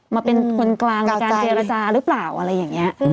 มาเป็นคนกลางในการเจรจาหรือเปล่าอะไรอย่างนี้